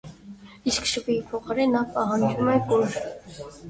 Իսկ շվիի փոխարեն նա պահանջում է կուժ։